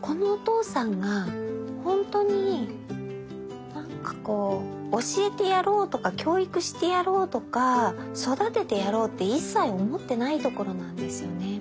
このお父さんがほんとになんかこう教えてやろうとか教育してやろうとか育ててやろうって一切思ってないところなんですよね。